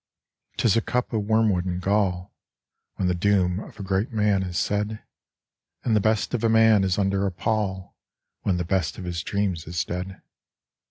'Tis a cup of wormwood and gall, When the doom of a great man is said; And the best of a man is under a pall When the best of his dreams is dead.